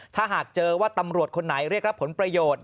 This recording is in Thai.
ถ้าหากเจอว่าตำรวจคนไหนเรียกรับผลประโยชน์